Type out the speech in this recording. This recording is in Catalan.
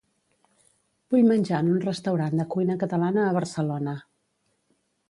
Vull menjar en un restaurant de cuina catalana a Barcelona.